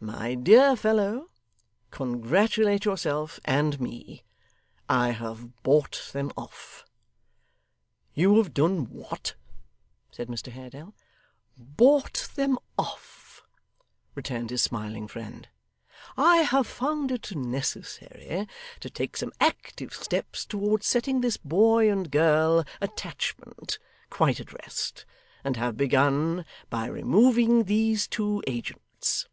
My dear fellow, congratulate yourself, and me. I have bought them off.' 'You have done what?' said Mr Haredale. 'Bought them off,' returned his smiling friend. 'I have found it necessary to take some active steps towards setting this boy and girl attachment quite at rest, and have begun by removing these two agents.